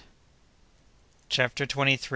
CHAPTER TWENTY THIRD.